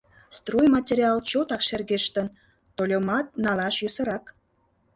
Стройматериал чотак шергештын, тольымат налаш йӧсырак.